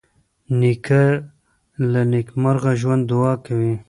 نیکه له نیکمرغه ژوند دعا کوي.